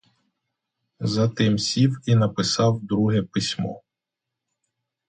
Затим сів і написав друге письмо.